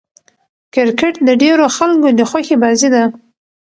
کرکټ د ډېرو خلکو د خوښي بازي ده.